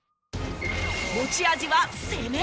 持ち味は攻め。